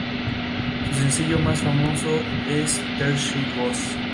Su sencillo más famoso es "There She Goes".